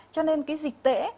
cho nên cái dịch tễ